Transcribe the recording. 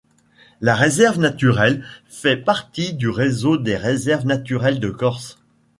La réserve naturelle fait partie du réseau des Réserves naturelles de Corse.